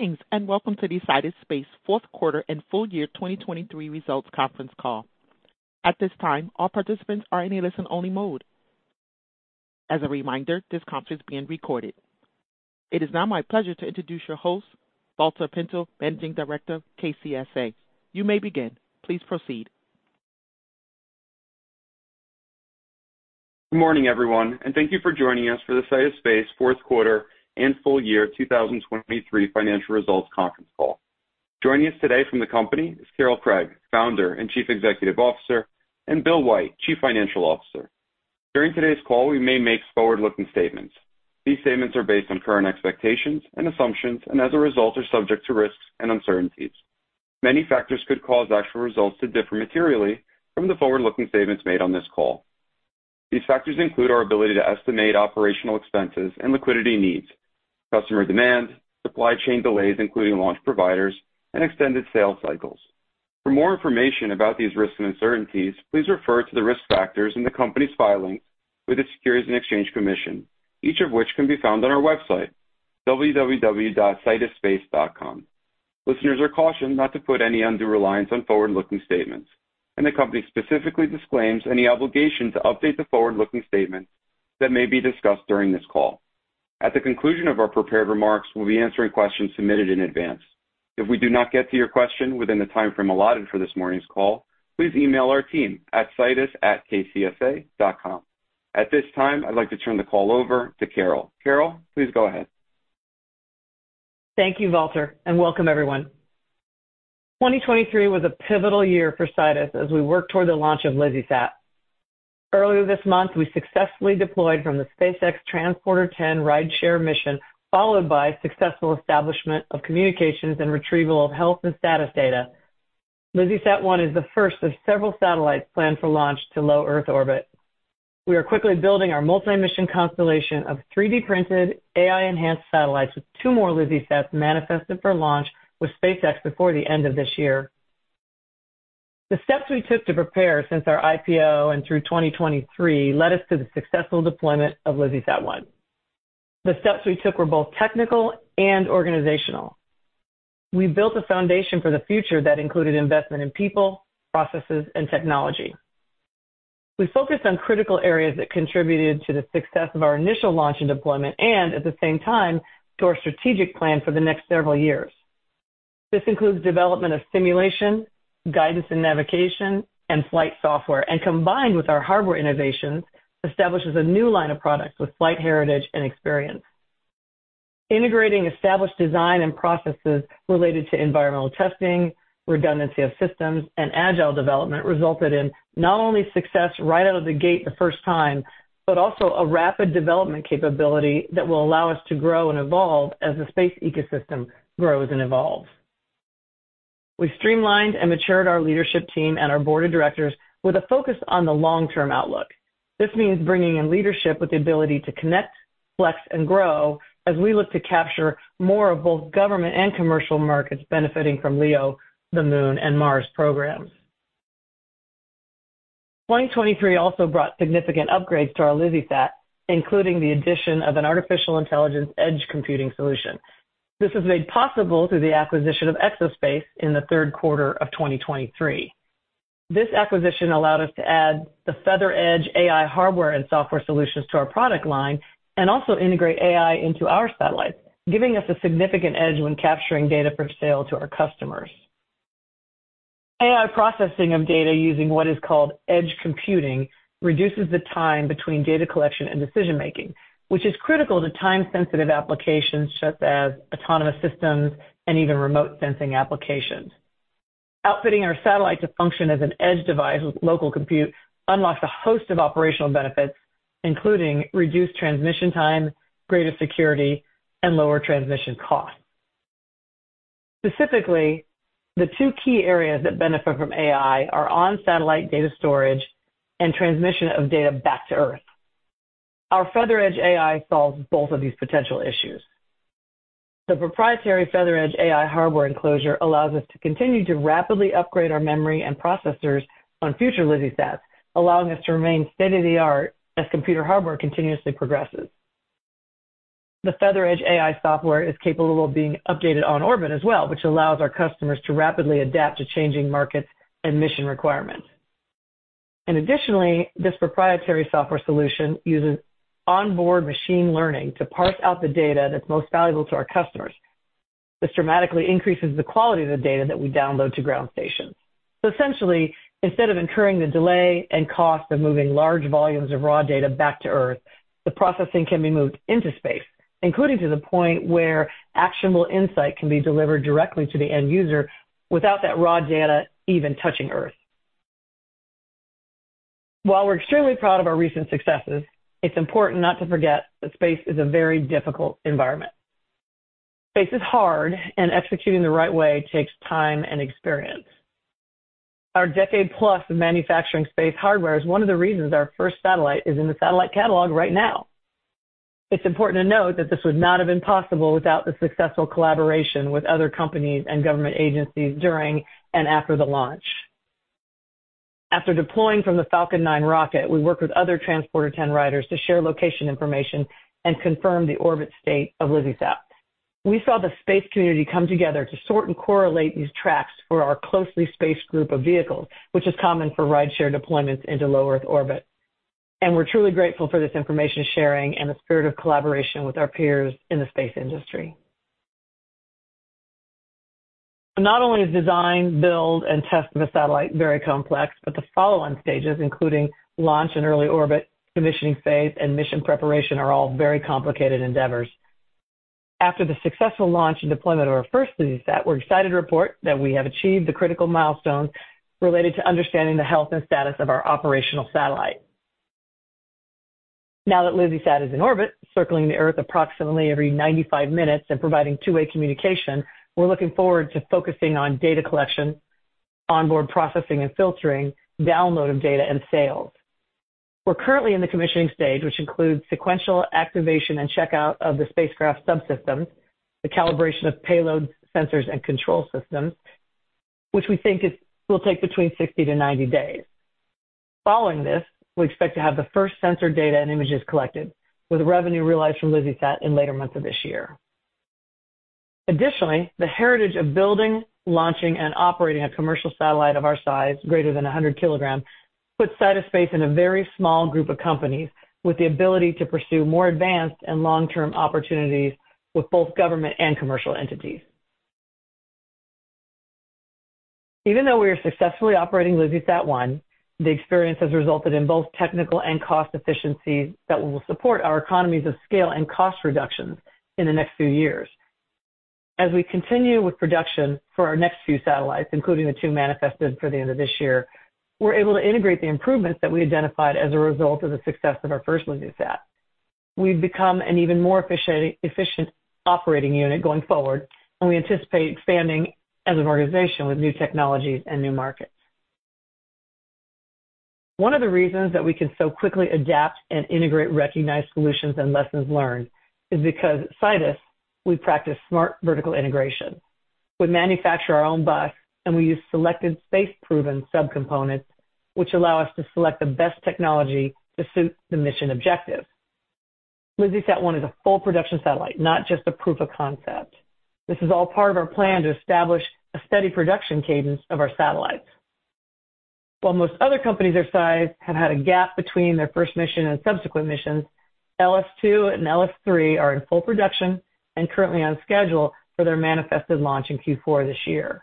Greetings and welcome to the Sidus Space Q4 and full year 2023 results conference call. At this time, all participants are in a listen-only mode. As a reminder, this conference is being recorded. It is now my pleasure to introduce your host, Valter Pinto, Managing Director, KCSA. You may begin. Please proceed. Good morning, everyone, and thank you for joining us for the Sidus Space Q4 and full year 2023 financial results conference call. Joining us today from the company is Carol Craig, Founder and Chief Executive Officer, and Bill White, Chief Financial Officer. During today's call, we may make forward-looking statements. These statements are based on current expectations and assumptions, and as a result, are subject to risks and uncertainties. Many factors could cause actual results to differ materially from the forward-looking statements made on this call. These factors include our ability to estimate operational expenses and liquidity needs, customer demand, supply chain delays including launch providers, and extended sales cycles. For more information about these risks and uncertainties, please refer to the risk factors in the company's filings with the Securities and Exchange Commission, each of which can be found on our website, www.sidusspace.com. Listeners are cautioned not to put any undue reliance on forward-looking statements, and the company specifically disclaims any obligation to update the forward-looking statements that may be discussed during this call. At the conclusion of our prepared remarks, we'll be answering questions submitted in advance. If we do not get to your question within the time frame allotted for this morning's call, please email our team at sidus@kcsa.com. At this time, I'd like to turn the call over to Carol. Carol, please go ahead. Thank you, Valter, and welcome, everyone. 2023 was a pivotal year for Sidus as we worked toward the launch of LizzieSat. Earlier this month, we successfully deployed from the SpaceX Transporter-10 rideshare mission, followed by successful establishment of communications and retrieval of health and status data. LizzieSat-1 is the first of several satellites planned for launch to Low Earth Orbit. We are quickly building our multi-mission constellation of 3D-printed, AI-enhanced satellites with two more LizzieSats manifested for launch with SpaceX before the end of this year. The steps we took to prepare since our IPO and through 2023 led us to the successful deployment of LizzieSat-1. The steps we took were both technical and organizational. We built a foundation for the future that included investment in people, processes, and technology. We focused on critical areas that contributed to the success of our initial launch and deployment and, at the same time, to our strategic plan for the next several years. This includes development of simulation, guidance and navigation, and flight software, and combined with our hardware innovations, establishes a new line of products with flight heritage and experience. Integrating established design and processes related to environmental testing, redundancy of systems, and agile development resulted in not only success right out of the gate the first time but also a rapid development capability that will allow us to grow and evolve as the space ecosystem grows and evolves. We streamlined and matured our leadership team and our board of directors with a focus on the long-term outlook. This means bringing in leadership with the ability to connect, flex, and grow as we look to capture more of both government and commercial markets benefiting from LEO, the Moon, and Mars programs. 2023 also brought significant upgrades to our LizzieSat, including the addition of an artificial intelligence edge computing solution. This was made possible through the acquisition of Exo-Space in the Q3 of 2023. This acquisition allowed us to add the FeatherEdge AI hardware and software solutions to our product line and also integrate AI into our satellites, giving us a significant edge when capturing data for sale to our customers. AI processing of data using what is called edge computing reduces the time between data collection and decision-making, which is critical to time-sensitive applications such as autonomous systems and even remote sensing applications. Outfitting our satellite to function as an edge device with local compute unlocks a host of operational benefits, including reduced transmission time, greater security, and lower transmission costs. Specifically, the two key areas that benefit from AI are on-satellite data storage and transmission of data back to Earth. Our FeatherEdge AI solves both of these potential issues. The proprietary FeatherEdge AI hardware enclosure allows us to continue to rapidly upgrade our memory and processors on future LizzieSats, allowing us to remain state-of-the-art as computer hardware continuously progresses. The FeatherEdge AI software is capable of being updated on orbit as well, which allows our customers to rapidly adapt to changing markets and mission requirements. Additionally, this proprietary software solution uses onboard machine learning to parse out the data that's most valuable to our customers. This dramatically increases the quality of the data that we download to ground stations. So essentially, instead of incurring the delay and cost of moving large volumes of raw data back to Earth, the processing can be moved into space, including to the point where actionable insight can be delivered directly to the end user without that raw data even touching Earth. While we're extremely proud of our recent successes, it's important not to forget that space is a very difficult environment. Space is hard, and executing the right way takes time and experience. Our decade-plus of manufacturing space hardware is one of the reasons our first satellite is in the satellite catalog right now. It's important to note that this would not have been possible without the successful collaboration with other companies and government agencies during and after the launch. After deploying from the Falcon 9 rocket, we worked with other Transporter-10 riders to share location information and confirm the orbit state of LizzieSat. We saw the space community come together to sort and correlate these tracks for our closely spaced group of vehicles, which is common for rideshare deployments into Low Earth Orbit. We're truly grateful for this information sharing and the spirit of collaboration with our peers in the space industry. Not only is design, build, and test of a satellite very complex, but the following stages, including launch and early orbit, commissioning phase, and mission preparation, are all very complicated endeavors. After the successful launch and deployment of our first LizzieSat, we're excited to report that we have achieved the critical milestones related to understanding the health and status of our operational satellite. Now that LizzieSat is in orbit, circling the Earth approximately every 95 minutes and providing two-way communication, we're looking forward to focusing on data collection, onboard processing and filtering, download of data, and sales. We're currently in the commissioning stage, which includes sequential activation and checkout of the spacecraft subsystems, the calibration of payload sensors and control systems, which we think will take between 60-90 days. Following this, we expect to have the first sensor data and images collected, with revenue realized from LizzieSat in later months of this year. Additionally, the heritage of building, launching, and operating a commercial satellite of our size, greater than 100 kilograms, puts Sidus Space in a very small group of companies with the ability to pursue more advanced and long-term opportunities with both government and commercial entities. Even though we are successfully operating LizzieSat-1, the experience has resulted in both technical and cost efficiencies that will support our economies of scale and cost reductions in the next few years. As we continue with production for our next few satellites, including the two manifested for the end of this year, we're able to integrate the improvements that we identified as a result of the success of our first LizzieSat. We've become an even more efficient operating unit going forward, and we anticipate expanding as an organization with new technologies and new markets. One of the reasons that we can so quickly adapt and integrate recognized solutions and lessons learned is because at Sidus, we practice smart vertical integration. We manufacture our own bus, and we use selected space-proven subcomponents, which allow us to select the best technology to suit the mission objectives. LizzieSat-1 is a full production satellite, not just a proof of concept. This is all part of our plan to establish a steady production cadence of our satellites. While most other companies our size have had a gap between their first mission and subsequent missions, LS-2 and LS-3 are in full production and currently on schedule for their manifested launch in Q4 this year.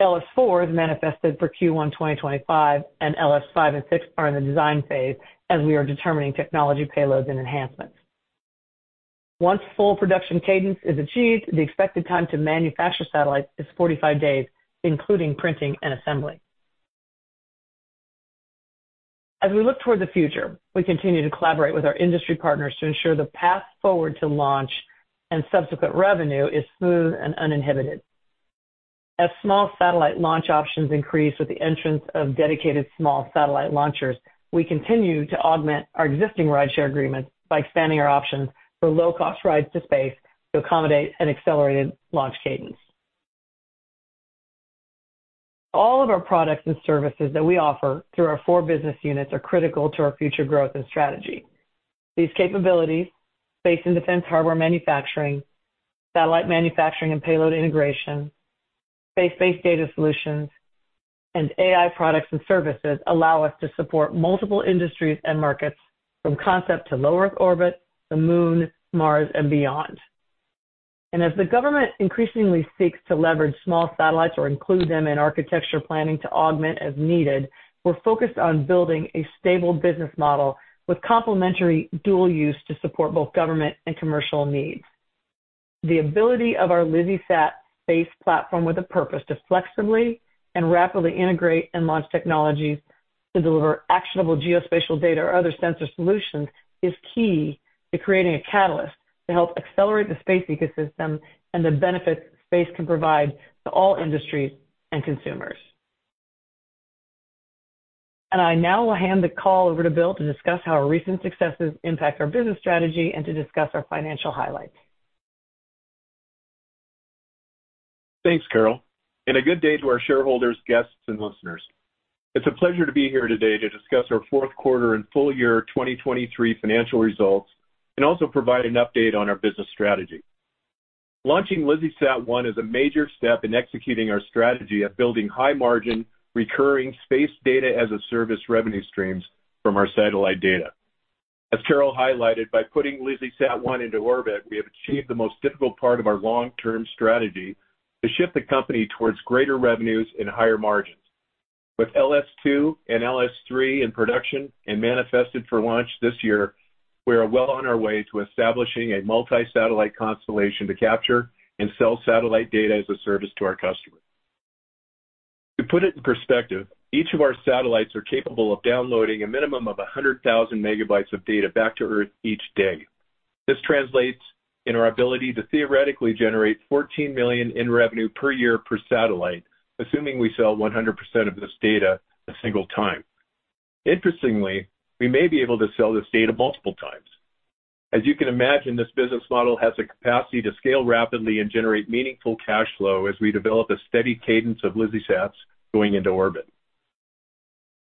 LS-4 is manifested for Q1 2025, and LS-5 and 6 are in the design phase as we are determining technology payloads and enhancements. Once full production cadence is achieved, the expected time to manufacture satellites is 45 days, including printing and assembly. As we look toward the future, we continue to collaborate with our industry partners to ensure the path forward to launch and subsequent revenue is smooth and uninhibited. As small satellite launch options increase with the entrance of dedicated small satellite launchers, we continue to augment our existing rideshare agreements by expanding our options for low-cost rides to space to accommodate an accelerated launch cadence. All of our products and services that we offer through our four business units are critical to our future growth and strategy. These capabilities, space and defense hardware manufacturing, satellite manufacturing and payload integration, space-based data solutions, and AI products and services allow us to support multiple industries and markets from concept to Low Earth Orbit, the Moon, Mars, and beyond. As the government increasingly seeks to leverage small satellites or include them in architecture planning to augment as needed, we're focused on building a stable business model with complementary dual use to support both government and commercial needs. The ability of our LizzieSat space platform with a purpose to flexibly and rapidly integrate and launch technologies to deliver actionable geospatial data or other sensor solutions is key to creating a catalyst to help accelerate the space ecosystem and the benefits space can provide to all industries and consumers. I now will hand the call over to Bill to discuss how our recent successes impact our business strategy and to discuss our financial highlights. Thanks, Carol. And a good day to our shareholders, guests, and listeners. It's a pleasure to be here today to discuss our Q4 and full year 2023 financial results and also provide an update on our business strategy. Launching LizzieSat-1 is a major step in executing our strategy of building high-margin, recurring space data-as-a-service revenue streams from our satellite data. As Carol highlighted, by putting LizzieSat-1 into orbit, we have achieved the most difficult part of our long-term strategy to shift the company towards greater revenues and higher margins. With LS-2 and LS-3 in production and manifested for launch this year, we are well on our way to establishing a multi-satellite constellation to capture and sell satellite data-as-a-service to our customers. To put it in perspective, each of our satellites are capable of downloading a minimum of 100,000 MB of data back to Earth each day. This translates in our ability to theoretically generate $14 million in revenue per year per satellite, assuming we sell 100% of this data a single time. Interestingly, we may be able to sell this data multiple times. As you can imagine, this business model has the capacity to scale rapidly and generate meaningful cash flow as we develop a steady cadence of LizzieSats going into orbit.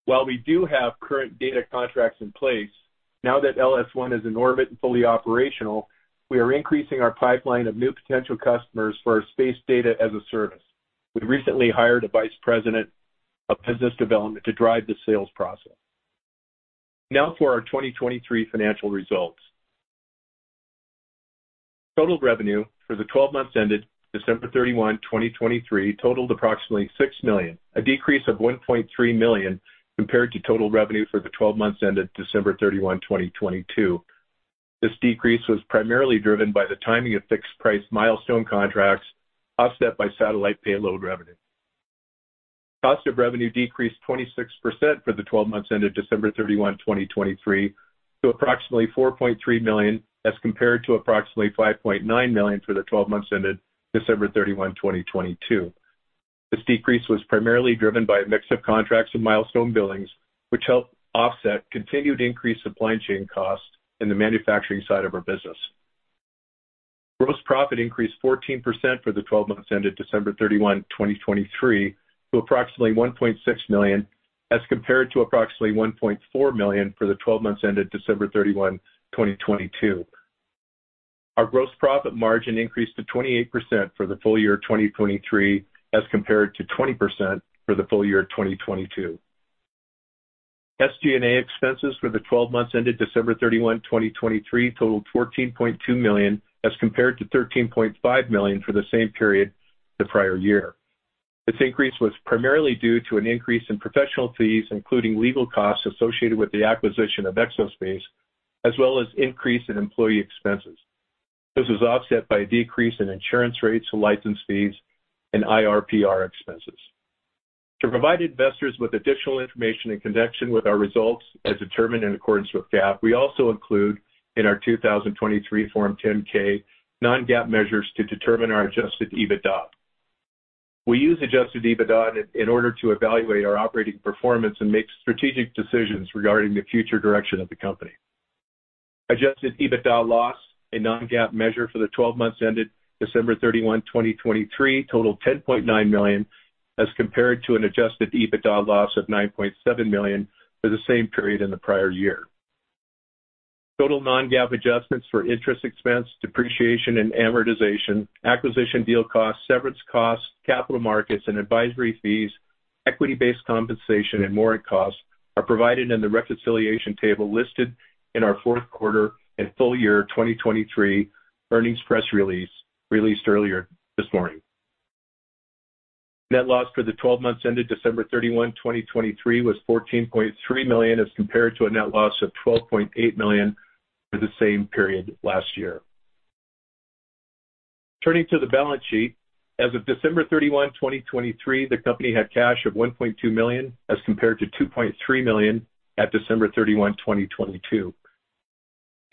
While we do have current data contracts in place, now that LS-1 is in orbit and fully operational, we are increasing our pipeline of new potential customers for our space data-as-a-service. We recently hired a vice president of business development to drive the sales process. Now for our 2023 financial results. Total revenue for the 12 months ended December 31, 2023, totaled approximately $6 million, a decrease of $1.3 million compared to total revenue for the 12 months ended December 31, 2022. This decrease was primarily driven by the timing of fixed-price milestone contracts offset by satellite payload revenue. Cost of revenue decreased 26% for the 12 months ended December 31, 2023, to approximately $4.3 million as compared to approximately $5.9 million for the 12 months ended December 31, 2022. This decrease was primarily driven by a mix of contracts and milestone billings, which helped offset continued increased supply chain costs in the manufacturing side of our business. Gross profit increased 14% for the 12 months ended December 31, 2023, to approximately $1.6 million as compared to approximately $1.4 million for the 12 months ended December 31, 2022. Our gross profit margin increased to 28% for the full year 2023 as compared to 20% for the full year 2022. SG&A expenses for the 12 months ended December 31, 2023, totaled $14.2 million as compared to $13.5 million for the same period the prior year. This increase was primarily due to an increase in professional fees, including legal costs associated with the acquisition of Exo-Space, as well as increase in employee expenses. This was offset by a decrease in insurance rates, license fees, and IR/PR expenses. To provide investors with additional information in connection with our results as determined in accordance with GAAP, we also include in our 2023 Form 10-K non-GAAP measures to determine our Adjusted EBITDA. We use Adjusted EBITDA in order to evaluate our operating performance and make strategic decisions regarding the future direction of the company. Adjusted EBITDA loss, a non-GAAP measure for the 12 months ended December 31, 2023, totaled $10.9 million as compared to an adjusted EBITDA loss of $9.7 million for the same period in the prior year. Total non-GAAP adjustments for interest expense, depreciation, and amortization, acquisition deal costs, severance costs, capital markets, and advisory fees, equity-based compensation, and warrant costs are provided in the reconciliation table listed in our Q4 and full year 2023 earnings press release released earlier this morning. Net loss for the 12 months ended December 31, 2023, was $14.3 million as compared to a net loss of $12.8 million for the same period last year. Turning to the balance sheet, as of December 31, 2023, the company had cash of $1.2 million as compared to $2.3 million at December 31, 2022.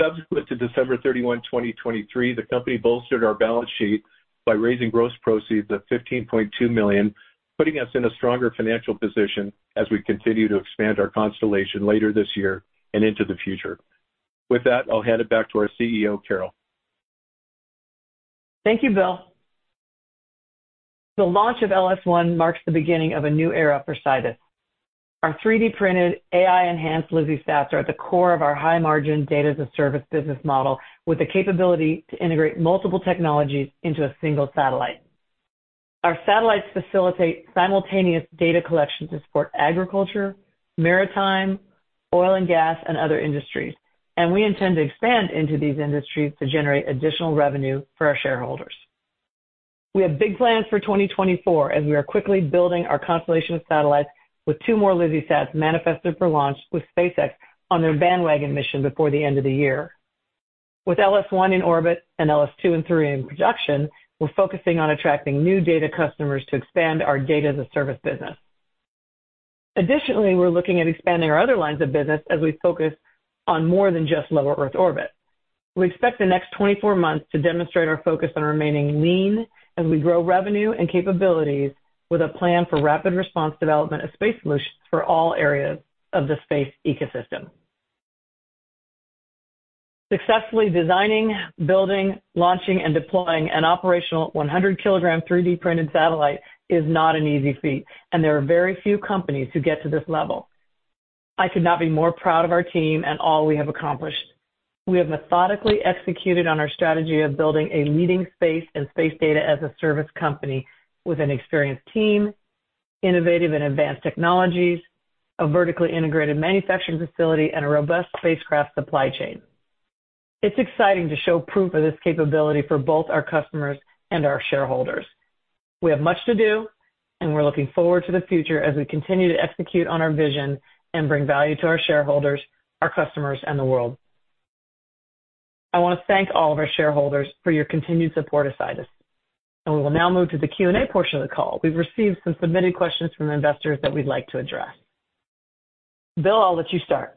Subsequent to December 31, 2023, the company bolstered our balance sheet by raising gross proceeds of $15.2 million, putting us in a stronger financial position as we continue to expand our constellation later this year and into the future. With that, I'll hand it back to our CEO, Carol. Thank you, Bill. The launch of LS-1 marks the beginning of a new era for Sidus. Our 3D-printed, AI-enhanced LizzieSats are at the core of our high-margin data-as-a-service business model with the capability to integrate multiple technologies into a single satellite. Our satellites facilitate simultaneous data collection to support agriculture, maritime, oil and gas, and other industries. We intend to expand into these industries to generate additional revenue for our shareholders. We have big plans for 2024 as we are quickly building our constellation of satellites with two more LizzieSats manifested for launch with SpaceX on their Bandwagon mission before the end of the year. With LS-1 in orbit and LS-2 and 3 in production, we're focusing on attracting new data customers to expand our data-as-a-service business. Additionally, we're looking at expanding our other lines of business as we focus on more than just Low Earth Orbit. We expect the next 24 months to demonstrate our focus on remaining lean as we grow revenue and capabilities with a plan for rapid response development of space solutions for all areas of the space ecosystem. Successfully designing, building, launching, and deploying an operational 100-kg 3D-printed satellite is not an easy feat, and there are very few companies who get to this level. I could not be more proud of our team and all we have accomplished. We have methodically executed on our strategy of building a leading space and space data-as-a-service company with an experienced team, innovative and advanced technologies, a vertically integrated manufacturing facility, and a robust spacecraft supply chain. It's exciting to show proof of this capability for both our customers and our shareholders. We have much to do, and we're looking forward to the future as we continue to execute on our vision and bring value to our shareholders, our customers, and the world. I want to thank all of our shareholders for your continued support of Sidus. We will now move to the Q&A portion of the call. We've received some submitted questions from investors that we'd like to address. Bill, I'll let you start.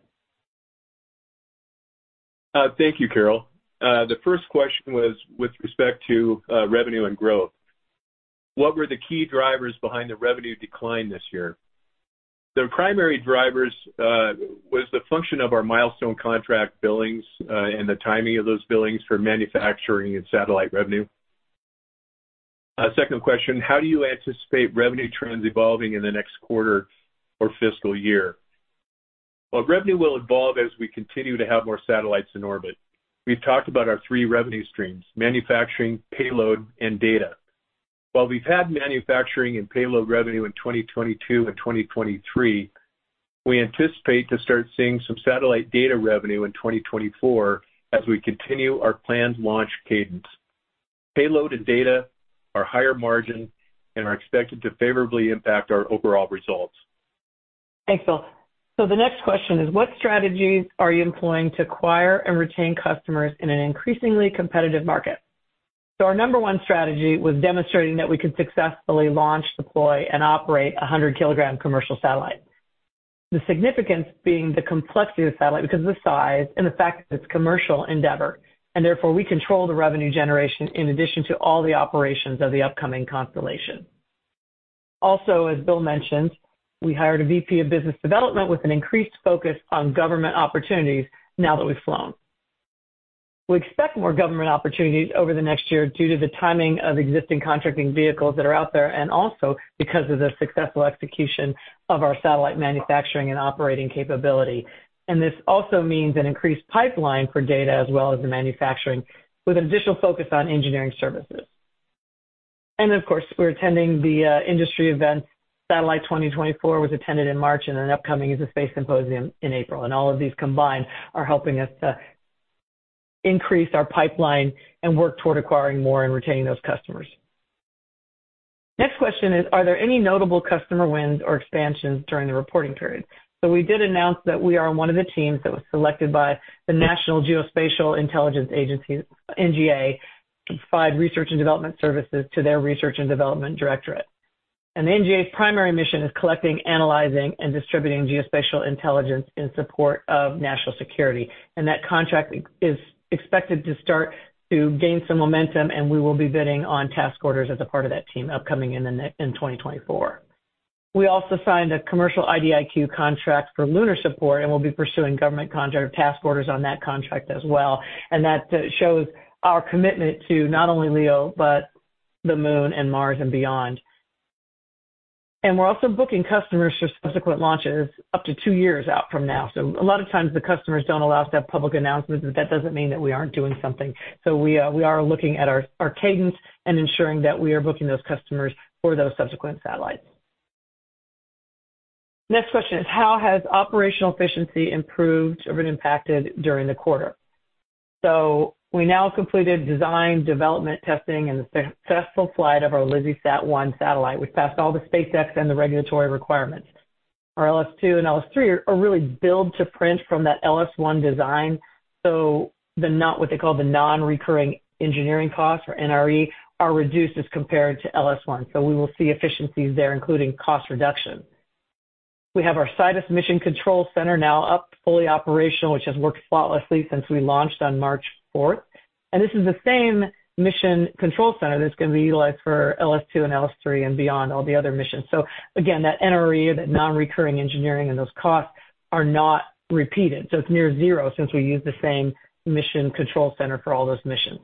Thank you, Carol. The first question was with respect to revenue and growth. What were the key drivers behind the revenue decline this year? The primary drivers was the function of our milestone contract billings and the timing of those billings for manufacturing and satellite revenue. Second question, how do you anticipate revenue trends evolving in the next quarter or fiscal year? Well, revenue will evolve as we continue to have more satellites in orbit. We've talked about our three revenue streams: manufacturing, payload, and data. While we've had manufacturing and payload revenue in 2022 and 2023, we anticipate to start seeing some satellite data revenue in 2024 as we continue our planned launch cadence. Payload and data are higher margin and are expected to favorably impact our overall results. Thanks, Bill. So the next question is, what strategies are you employing to acquire and retain customers in an increasingly competitive market? So our number one strategy was demonstrating that we could successfully launch, deploy, and operate a 100-kilogram commercial satellite, the significance being the complexity of the satellite because of the size and the fact that it's a commercial endeavor. And therefore, we control the revenue generation in addition to all the operations of the upcoming constellation. Also, as Bill mentioned, we hired a VP of business development with an increased focus on government opportunities now that we've flown. We expect more government opportunities over the next year due to the timing of existing contracting vehicles that are out there and also because of the successful execution of our satellite manufacturing and operating capability. This also means an increased pipeline for data as well as the manufacturing with an additional focus on engineering services. Of course, we're attending the industry events. Satellite 2024 was attended in March, and an upcoming is a Space Symposium in April. All of these combined are helping us to increase our pipeline and work toward acquiring more and retaining those customers. Next question is, are there any notable customer wins or expansions during the reporting period? We did announce that we are one of the teams that was selected by the National Geospatial-Intelligence Agency, NGA, to provide research and development services to their research and development directorate. The NGA's primary mission is collecting, analyzing, and distributing geospatial intelligence in support of national security. That contract is expected to start to gain some momentum, and we will be bidding on task orders as a part of that team upcoming in 2024. We also signed a commercial IDIQ contract for lunar support and will be pursuing government contract task orders on that contract as well. That shows our commitment to not only LEO but the Moon and Mars and beyond. We're also booking customers for subsequent launches up to two years out from now. A lot of times, the customers don't allow us to have public announcements, but that doesn't mean that we aren't doing something. We are looking at our cadence and ensuring that we are booking those customers for those subsequent satellites. Next question is, how has operational efficiency improved or been impacted during the quarter? So we now have completed design, development, testing, and the successful flight of our LizzieSat-1 satellite. We've passed all the SpaceX and the regulatory requirements. Our LS-2 and LS-3 are really built to print from that LS-1 design. So what they call the non-recurring engineering costs, or NRE, are reduced as compared to LS-1. So we will see efficiencies there, including cost reduction. We have our Sidus Mission Control Center now up, fully operational, which has worked flawlessly since we launched on March 4th. And this is the same mission control center that's going to be utilized for LS-2 and LS-3 and beyond, all the other missions. So again, that NRE, that non-recurring engineering, and those costs are not repeated. So it's near zero since we use the same mission control center for all those missions.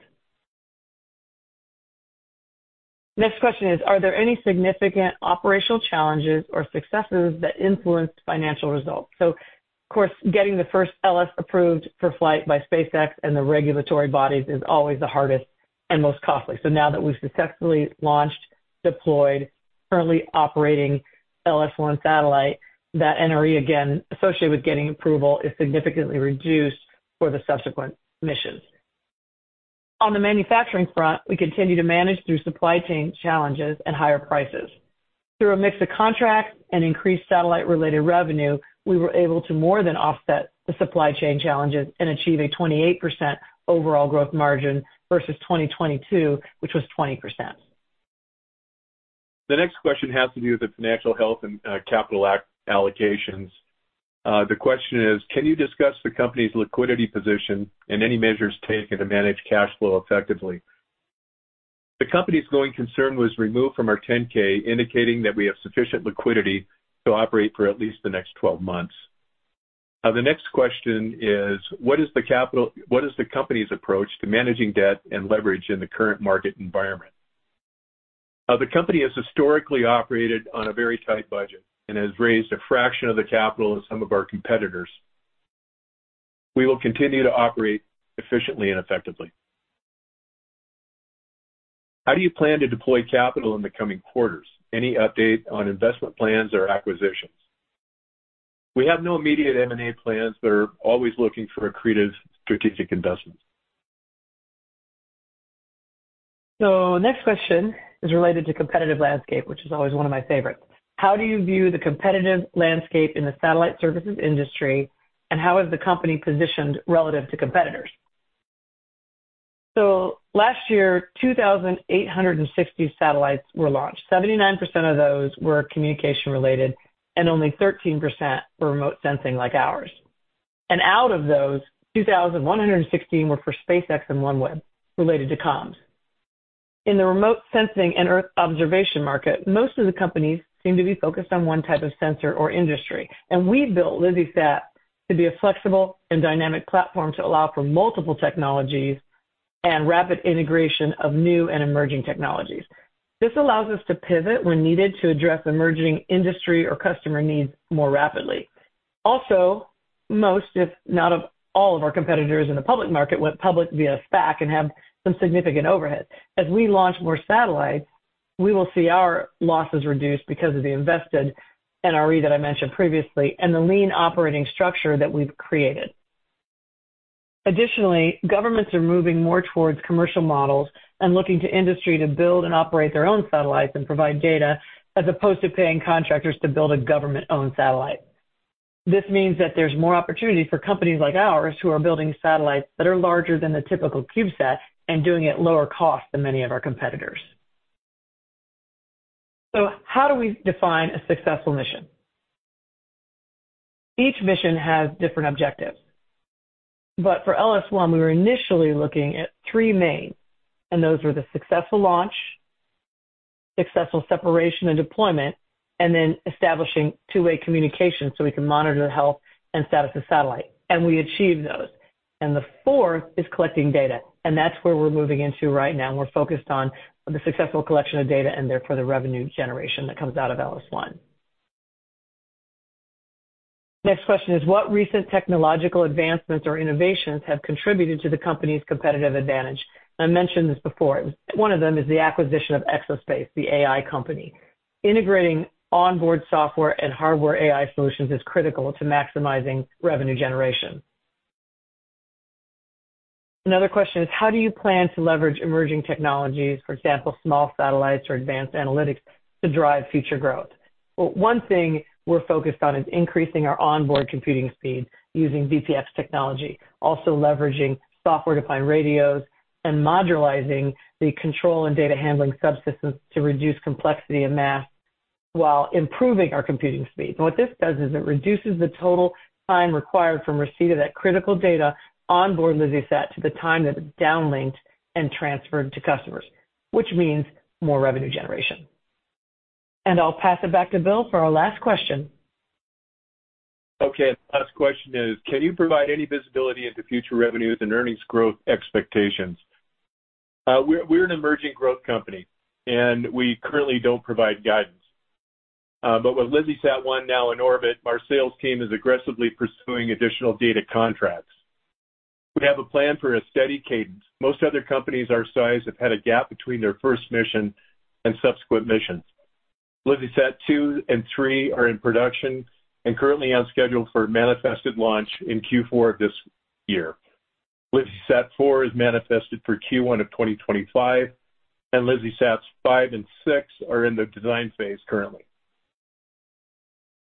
Next question is, are there any significant operational challenges or successes that influenced financial results? So of course, getting the first LS approved for flight by SpaceX and the regulatory bodies is always the hardest and most costly. So now that we've successfully launched, deployed, currently operating LS-1 satellite, that NRE, again, associated with getting approval, is significantly reduced for the subsequent missions. On the manufacturing front, we continue to manage through supply chain challenges and higher prices. Through a mix of contracts and increased satellite-related revenue, we were able to more than offset the supply chain challenges and achieve a 28% overall growth margin versus 2022, which was 20%. The next question has to do with the financial health and capital allocations. The question is, can you discuss the company's liquidity position and any measures taken to manage cash flow effectively? The company's going concern was removed from our 10-K, indicating that we have sufficient liquidity to operate for at least the next 12 months. The next question is, what is the company's approach to managing debt and leverage in the current market environment? The company has historically operated on a very tight budget and has raised a fraction of the capital of some of our competitors. We will continue to operate efficiently and effectively. How do you plan to deploy capital in the coming quarters? Any update on investment plans or acquisitions? We have no immediate M&A plans, but are always looking for a creative strategic investment. Next question is related to competitive landscape, which is always one of my favorites. How do you view the competitive landscape in the satellite services industry, and how is the company positioned relative to competitors? Last year, 2,860 satellites were launched. 79% of those were communication-related, and only 13% were remote sensing like ours. Out of those, 2,116 were for SpaceX and OneWeb, related to comms. In the remote sensing and Earth observation market, most of the companies seem to be focused on one type of sensor or industry. We built LizzieSat to be a flexible and dynamic platform to allow for multiple technologies and rapid integration of new and emerging technologies. This allows us to pivot when needed to address emerging industry or customer needs more rapidly. Also, most, if not all, of our competitors in the public market went public via SPAC and have some significant overhead. As we launch more satellites, we will see our losses reduced because of the invested NRE that I mentioned previously and the lean operating structure that we've created. Additionally, governments are moving more towards commercial models and looking to industry to build and operate their own satellites and provide data as opposed to paying contractors to build a government-owned satellite. This means that there's more opportunity for companies like ours who are building satellites that are larger than the typical CubeSat and doing it at lower cost than many of our competitors. So how do we define a successful mission? Each mission has different objectives. But for LS-1, we were initially looking at three main, and those were the successful launch, successful separation and deployment, and then establishing two-way communication so we can monitor the health and status of the satellite. We achieved those. The fourth is collecting data. That's where we're moving into right now. We're focused on the successful collection of data and therefore the revenue generation that comes out of LS-1. Next question is, what recent technological advancements or innovations have contributed to the company's competitive advantage? I mentioned this before. One of them is the acquisition of Exo-Space, the AI company. Integrating onboard software and hardware AI solutions is critical to maximizing revenue generation. Another question is, how do you plan to leverage emerging technologies, for example, small satellites or advanced analytics, to drive future growth? Well, one thing we're focused on is increasing our onboard computing speed using VPX technology, also leveraging software-defined radios and modularizing the control and data handling subsystems to reduce complexity and mass while improving our computing speed. And what this does is it reduces the total time required from receipt of that critical data onboard LizzieSat to the time that it's downlinked and transferred to customers, which means more revenue generation. And I'll pass it back to Bill for our last question. Okay. Last question is, can you provide any visibility into future revenues and earnings growth expectations? We're an emerging growth company, and we currently don't provide guidance. But with LizzieSat-1 now in orbit, our sales team is aggressively pursuing additional data contracts. We have a plan for a steady cadence. Most other companies our size have had a gap between their first mission and subsequent missions. LizzieSat-2 and 3 are in production and currently on schedule for manifested launch in Q4 of this year. LizzieSat-4 is manifested for Q1 of 2025, and LizzieSats-5 and 6 are in the design phase currently.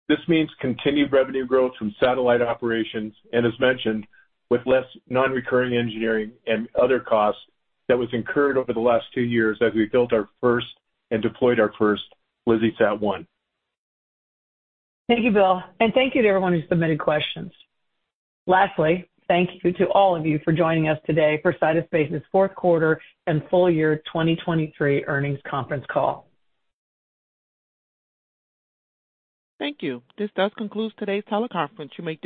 This means continued revenue growth from satellite operations and, as mentioned, with less non-recurring engineering and other costs that was incurred over the last two years as we built our first and deployed our first LizzieSat-1. Thank you, Bill. Thank you to everyone who submitted questions. Lastly, thank you to all of you for joining us today for Sidus Space's Q4 and full year 2023 earnings conference call. Thank you. This does conclude today's teleconference. You may.